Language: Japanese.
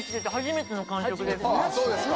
そうですか。